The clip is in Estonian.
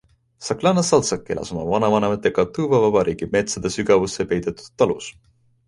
Saglana Saltšak elas oma vanavanematega Tõva Vabariigi metsade sügavusse peidetud talus.